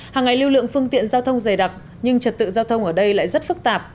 hàng ngày lưu lượng phương tiện giao thông dày đặc nhưng trật tự giao thông ở đây lại rất phức tạp